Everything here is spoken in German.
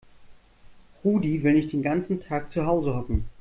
Rudi will nicht den ganzen Tag zu Hause hocken.